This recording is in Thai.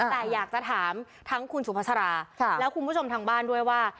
แต่อยากจะถามทั้งคุณสุภาษาราและคุณผู้ชมทางบ้านด้วยว่า